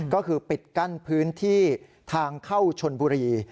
ก็คือปิดกั้นพื้นที่ทางเข้าชนบุรี